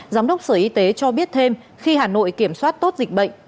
giám đốc sở y tế cho biết thêm khi hà nội kiểm soát tốt dịch bệnh